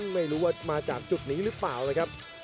ไม่รู้ว่ามาจากจุดนี้หรือเปล่านะครับ